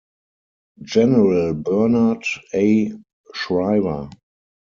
General Bernard A. Schriever.